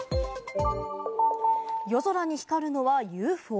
夜空に光るのはＵＦＯ？